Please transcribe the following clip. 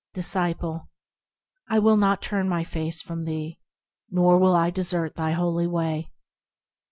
Disciple. I will not turn my face from thee, Nor will I desert thy holy Way.